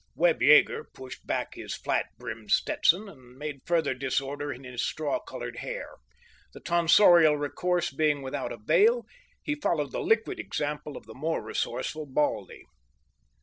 Webb Yeager pushed back his flat brimmed Stetson, and made further disorder in his straw coloured hair. The tonsorial recourse being without avail, he followed the liquid example of the more resourceful Baldy.